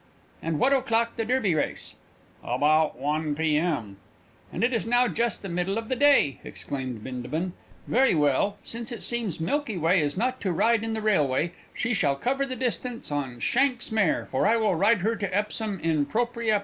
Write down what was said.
"And what o'clock the Derby race?" "About one P.M." "And it is now just the middle of the day!" exclaimed Bindabun. "Very well, since it seems Milky Way is not to ride in the railway, she shall cover the distance on shank's mare, for I will ride her to Epsom in propriâ personâ!"